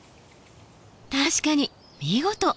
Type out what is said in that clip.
確かに見事！